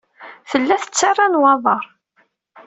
Tella tettarra nnwaḍer.